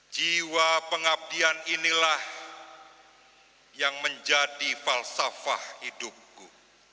jiwa pengabdian inilah yang menjadi falsafah hidupku